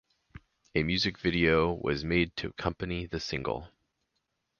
A music video was made to accompany the single.